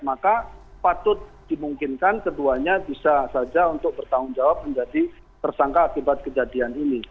maka patut dimungkinkan keduanya bisa saja untuk bertanggung jawab menjadi tersangka akibat kejadian ini